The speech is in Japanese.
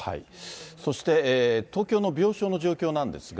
そして東京の病床の状況なんですが。